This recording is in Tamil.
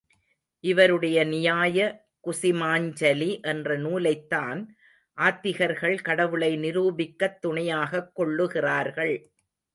இவருடைய நியாய குஸிமாஞ்சலி என்ற நூலைத்தான் ஆத்திகர்கள் கடவுளை நிரூபிக்கத் துணையாகக் கொள்ளுகிறார்கள்.